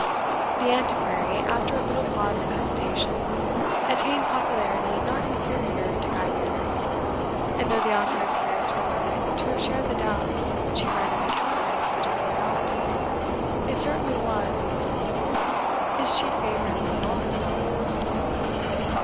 "'The Antiquary,' after a little pause of hesitation, attained popularity not inferior to 'Guy Mannering,' and though the author appears for a moment to have shared the doubts which he read in the countenance of James Ballantyne, it certainly was, in the sequel, his chief favourite among all his novels.